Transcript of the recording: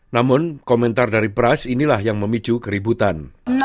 namun komentar dari pras inilah yang memicu keributan